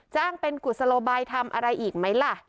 จ้างเป็นกุศโลบายทำอะไรอีกไหมล่ะ